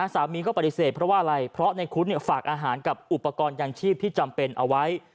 สามีก็ปฏิเสธเพราะว่าอะไรเพราะในคุดฝากอาหารกับอุปกรณ์ยังชีพที่จำเป็นเอาไว้